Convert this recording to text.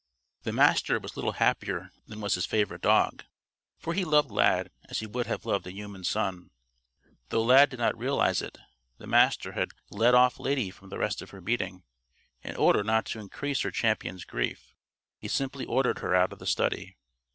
The Master was little happier than was his favorite dog. For he loved Lad as he would have loved a human son. Though Lad did not realize it, the Master had "let off" Lady from the rest of her beating, in order not to increase her champion's grief. He simply ordered her out of the study.